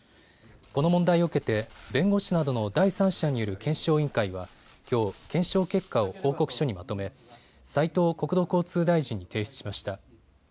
この問題を受けて弁護士などの第三者による検証委員会はきょう検証結果を報告書にまとめ、斉藤国土交通大臣に提出しました。